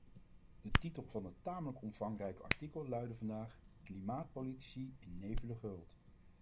De titel van het tamelijk omvangrijke artikel luidde vandaag: klimaatpolitici in nevelen gehuld.